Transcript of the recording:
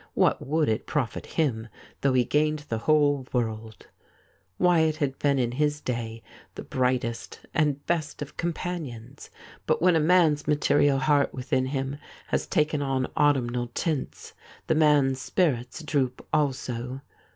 What would it profit him though he gained the whole world ? Wyatt had been in his day the brightest and best of companions ; but when a man's material heart within him has taken on autumnal tints the man's spirits droop also.